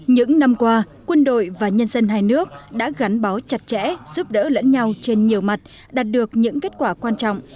những năm qua quân đội và nhân dân hai nước đã gắn bó chặt chẽ giúp đỡ lẫn nhau trên nhiều mặt đạt được những kết quả quan trọng